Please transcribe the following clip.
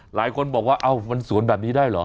หลายคนบอกว่าเอ้ามันสวนแบบนี้ได้เหรอ